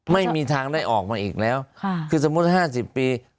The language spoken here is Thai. ไม่มีทางได้ออกมาอีกแล้วคือสมมุติ๕๐ปี